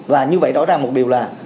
và như vậy rõ ràng một điều là